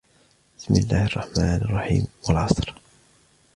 بِسْمِ اللَّهِ الرَّحْمَنِ الرَّحِيمِ وَالْعَصْرِ